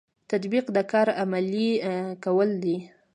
تطبیق د کار عملي کول دي